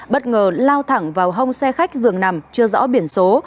bất ngờ lao thẳng vào hông xe khách dường nằm chưa rõ biển số